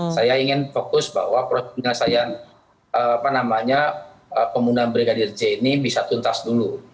saya ingin fokus bahwa proses penyelesaian pembunuhan brigadir j ini bisa tuntas dulu